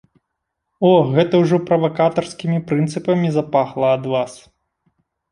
О, гэта ўжо правакатарскімі прынцыпамі запахла ад вас!